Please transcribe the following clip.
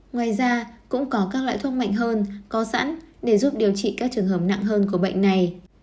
ngoài ra cũng có các loại thuốc mạnh hơn có sẵn để giúp điều trị các trường hợp nặng hơn của bệnh này